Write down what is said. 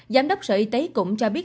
giám đốc sở y tế cũng cho biết